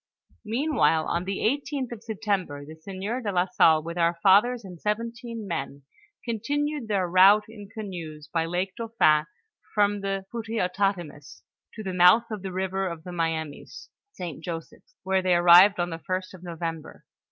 Meanwhile, on the 18th of September, the sieur do la Salle with our fathers and seventeen men, continued their route in canoes by Lake Dauphin, from the Pouteotatamis to the mouth of the river of tlio Mianiis (St. Joseph's), whore they arrived on the first of November.